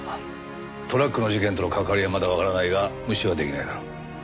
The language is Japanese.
トラックの事件との関わりはまだわからないが無視はできないだろう。